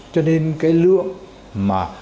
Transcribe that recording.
cho nên cái lượng mà